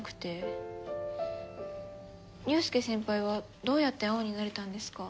雄亮先輩はどうやってアオになれたんですか？